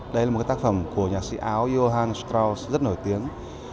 đây là một tác phẩm của nhạc sĩ áo johann strauss rất nổi tiếng